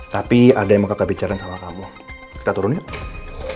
tapi ada yang mau kakak bicara sama kamu kita turun yuk